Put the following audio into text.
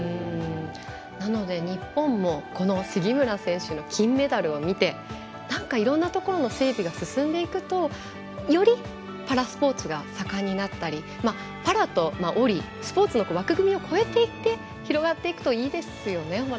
なので日本も杉村選手の金メダルを見ていろんなところの整備が進んでいくとより、パラスポーツが盛んになったりパラとオリスポーツの枠組みを越えていって広がっていくといいですよね。